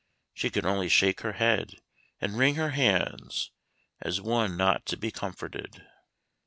She could only shake her head, and wring her hands, as one not to be comforted.